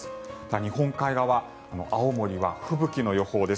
日本海側は青森は吹雪の予報です。